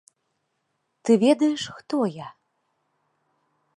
Ты ведаеш, хто я?